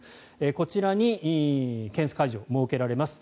こちらに検査会場が設けられます。